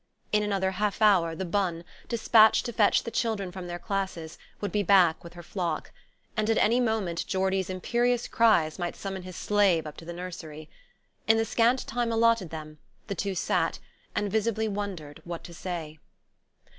In another half hour the bonne, despatched to fetch the children from their classes, would be back with her flock; and at any moment Geordie's imperious cries might summon his slave up to the nursery. In the scant time allotted them, the two sat, and visibly wondered what to say.